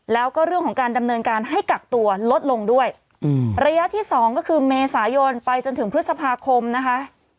แล้วก็เรื่องของการดำเนินการให้กักตัวลดลงด้วยระยะที่สองก็คือเมษายนไปจนถึงพฤษภาคมนะคะ